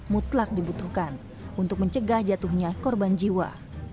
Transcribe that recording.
mutlak dibutuhkan untuk mencegah jatuhnya korban jiwa